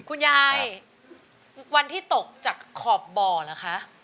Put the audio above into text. คุณยายวันที่ตกจากขอบบ่อเหรอคะ